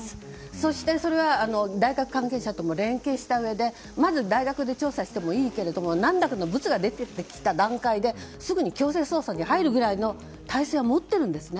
そして、それは大学関係者とも連携したうえでまず大学で調査してもいいけれども、何らかのぶつが出てきた段階ですぐに強制捜査に入るくらいの体制は持っているんですね。